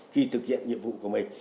khi thực hiện nhiệm vụ của mình